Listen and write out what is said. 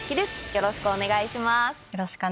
よろしくお願いします。